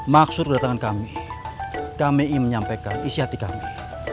maksud kedatangan kami kami ingin menyampaikan isi hati kami